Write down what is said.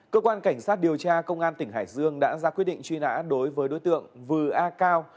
cơ quan cảnh sát điều tra công an tỉnh hải dương đã ra quyết định truy nã đối với đối tượng vừa a cao